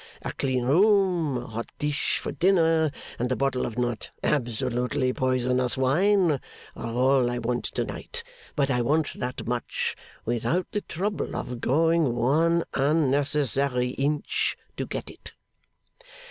A clean room, a hot dish for dinner, and a bottle of not absolutely poisonous wine, are all I want tonight. But I want that much without the trouble of going one unnecessary inch to get it.